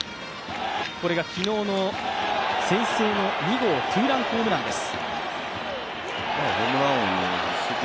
これが昨日、先制の２号ツーランホームランです。